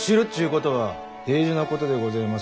ことは大事なことでごぜます。